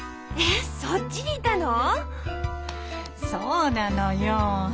そうなのよ。